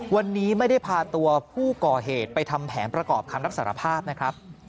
วันนี้ไม่ได้พาตัวผู้ก่อเหตุไปทำแผนประกอบคำรับสารภาพนะครับ